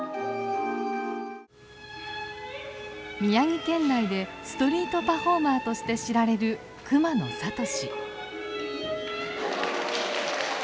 宮城県内でストリートパフォーマーとして知られる熊野聡。